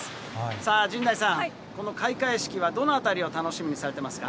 さあ、陣内さん、この開会式はどのあたりを楽しみにされてますか？